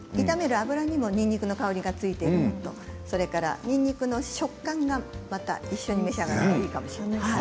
炒める油にも、にんにくの香りがついているのとにんにくの食感が、また一緒に召し上がるといいかもしれない。